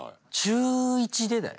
中１でだよ